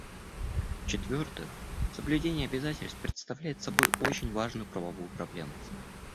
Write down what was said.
В-четвертых, соблюдение обязательств представляет собой очень важную правовую проблему.